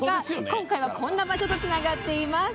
今回はこんな場所とつながっています。